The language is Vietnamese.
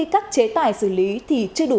các chế tài xử lý thì chưa đủ